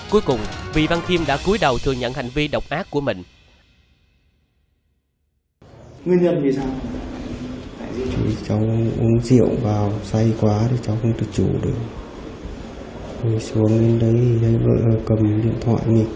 cuối cùng vị văn kim đã cúi đầu thừa nhận hành vi độc ác của mình